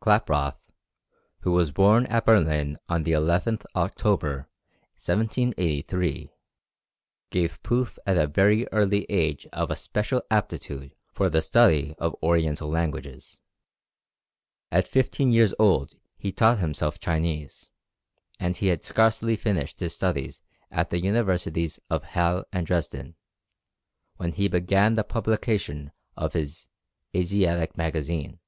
Klaproth, who was born at Berlin on the 11th October, 1783, gave proof at a very early age of a special aptitude for the study of Oriental languages. At fifteen years old he taught himself Chinese; and he had scarcely finished his studies at the Universities of Halle and Dresden, when he began the publication of his "Asiatic Magazine."